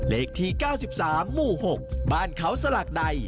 เลขที่๙๓หมู่๖บ้านเขาสลักใด